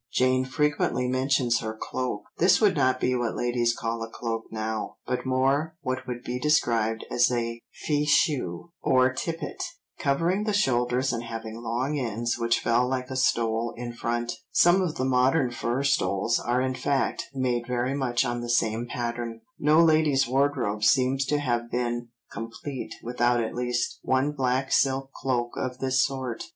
Jane frequently mentions her cloak; this would not be what ladies call a cloak now, but more what would be described as a fichu or tippet, covering the shoulders and having long ends which fell like a stole in front, some of the modern fur stoles are in fact made very much on the same pattern; no lady's wardrobe seems to have been complete without at least one black silk cloak of this sort.